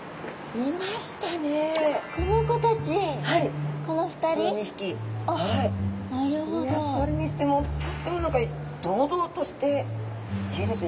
いやそれにしてもとっても堂々としていいですね。